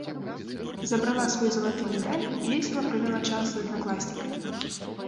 Забрала свой залаты медаль і весела правяла час з аднакласнікамі.